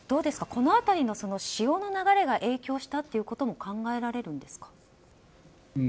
この辺りの潮の流れが影響したということも考えられるんですか。